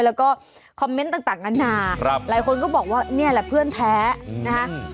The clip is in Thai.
แล้วก็คอมเมนต์ต่างนานาหลายคนก็บอกว่านี่แหละเพื่อนแท้นะคะ